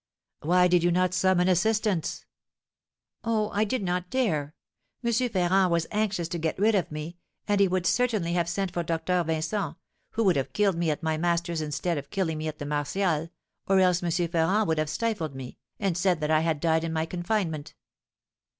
"Why did you not summon assistance?" "Oh, I did not dare. M. Ferrand was anxious to get rid of me, and he would certainly have sent for Dr. Vincent, who would have killed me at my master's instead of killing me at the Martials, or else M. Ferrand would have stifled me, and said that I had died in my confinement.